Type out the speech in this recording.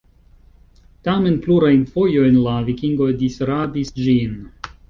Tamen plurajn fojojn la vikingoj disrabis ĝin.